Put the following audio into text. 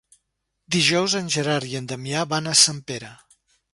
Dijous en Gerard i en Damià van a Sempere.